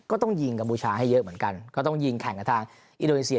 ก็ต้องยิงกัมพูชาให้เยอะเหมือนกันก็ต้องยิงแข่งกับทางอินโดนีเซีย